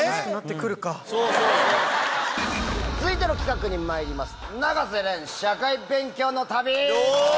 続いての企画にまいります。